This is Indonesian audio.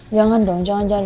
jangan dong jangan jangan